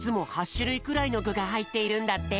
しゅるいくらいのぐがはいっているんだって。